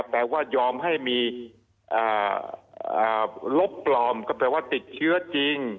แปลว่ายอมให้มีลบปลอมก็แปลว่าติดเชื้อจริง